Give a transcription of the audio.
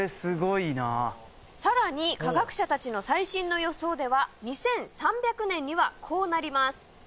さらに科学者たちの最新の予想では２３００年にはこうなります。